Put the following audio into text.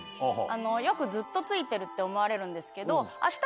よくずっとついてるって思われるんですけど。